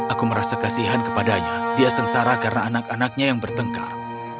aku merasa kasihan kepadanya dia sengsara karena anak anaknya yang bertengkar